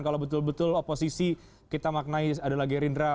kalau betul betul oposisi kita maknai adalah gerindra